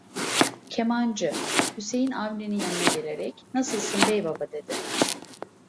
Kemancı, Hüseyin Avni'nin yanına gelerek: "Nasılsın beybaba!" dedi.